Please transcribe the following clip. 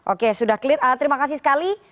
oke sudah clear terima kasih sekali